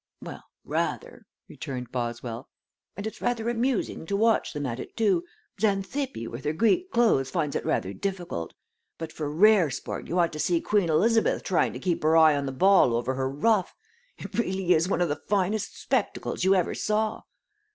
"Well, rather," returned Boswell, "and it's rather amusing to watch them at it, too. Xanthippe with her Greek clothes finds it rather difficult; but for rare sport you ought to see Queen Elizabeth trying to keep her eye on the ball over her ruff! It really is one of the finest spectacles you ever saw."